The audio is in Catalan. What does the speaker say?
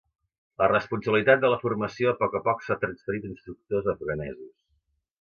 La responsabilitat de la formació a poc a poc s'ha transferit a instructors afganesos.